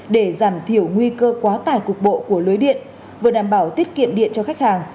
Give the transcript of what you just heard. để giảm thiểu nguy cơ quá tải cục bộ của lưới điện vừa đảm bảo tiết kiệm điện cho khách hàng